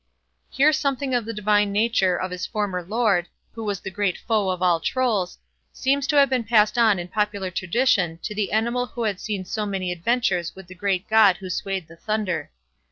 Here something of the divine nature of his former lord, who was the great foe of all Trolls, seems to have been passed on in popular tradition to the animal who had seen so many adventures with the great God who swayed the thunder.